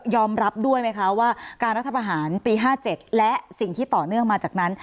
รับด้วยไหมคะว่าการรัฐประหารปี๕๗และสิ่งที่ต่อเนื่องมาจากนั้น